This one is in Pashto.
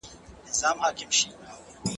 زه پرون موبایل کارولی